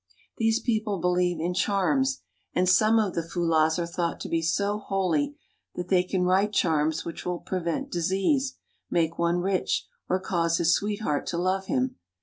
These people believe in charms; and some of the Fu lahs are thought to be so holy that they can write charms which will prevent disease, make one rich, or cause his sweetheart to love him.